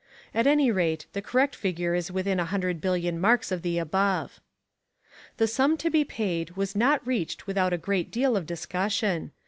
At any rate, the correct figure is within a hundred billion marks of the above. The sum to be paid was not reached without a great deal of discussion.